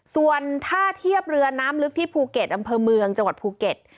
ส่วนท่าเทียบเรือน้ำลึกที่ภูเก็ตอำเภอเมืองจังหวัดภูเก็ต